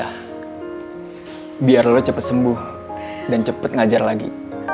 alhamdulillah biar lo cepet sembuh dan cepet ngajar lagi